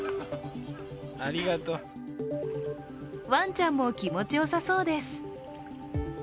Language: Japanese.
わんちゃんも気持ちよさそうです。